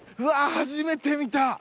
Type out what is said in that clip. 初めて見た！